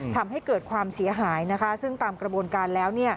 ทำให้เกิดความเสียหายซึ่งตามกระบวนการแล้ว